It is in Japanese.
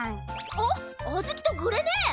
おっあずきとグレねえ！